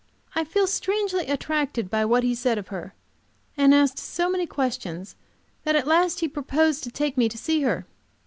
I felt strangely attracted by what he said of her, and asked so many questions that at last he proposed to take me to see her.